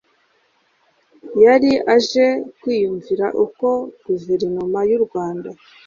yari aje kwiyumvira uko guverinoma y'u rwanda